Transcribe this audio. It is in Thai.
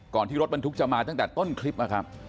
ที่รถบรรทุกจะมาตั้งแต่ต้นคลิปนะครับ